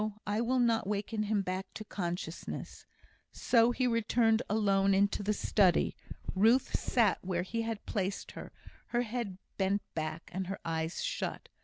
I will not waken him back to consciousness." So he returned alone into the study. Ruth sat where he had placed her, her head bent back, and her eyes shut.